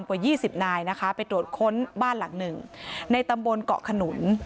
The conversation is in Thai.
กว่า๒๐นายนะคะไปตรวจค้นบ้านหลังหนึ่งในตำบลเกาะขนุน